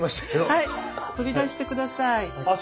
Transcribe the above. はい取り出して下さい。